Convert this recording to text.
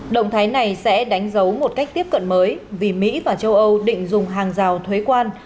động thái này sẽ đánh dấu một cách tiếp cận mới vì mỹ và châu âu định dùng hàng rào thuế quan